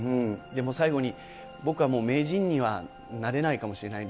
でも最後に、僕はもう名人にはなれないかもしれない。